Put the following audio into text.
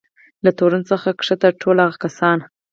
له تورن څخه کښته ټول هغه کسان.